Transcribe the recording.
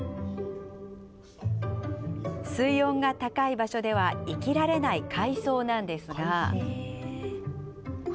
水温が高い場所では生きられない海草なんですが。